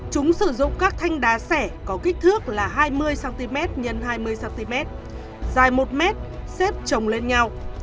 chúng sử dụng các thanh đá xẻ có kích thước là hai mươi cm x hai mươi cm dài một m xếp trồng lên nhau